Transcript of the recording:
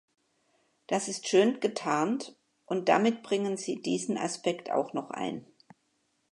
Das ist schön getarnt, und damit bringen sie diesen Aspekt auch noch ein.